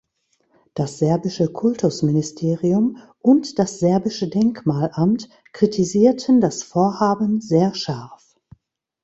Das serbische Kultusministerium und das serbische Denkmalamt kritisierten das Vorhaben sehr scharf.